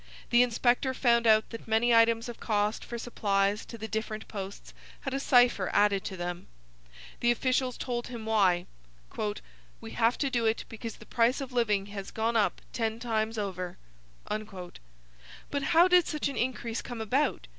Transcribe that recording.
The inspector found out that many items of cost for supplies to the different posts had a cipher added to them. The officials told him why: 'We have to do it because the price of living has gone up ten times over.' But how did such an increase come about?